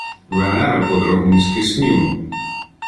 Венера по-драгунськи — сміло